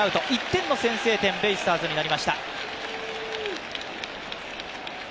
１点の先制点、ベイスターズになりました。